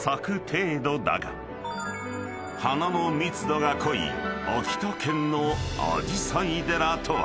［花の密度が濃い秋田県のあじさい寺とは？］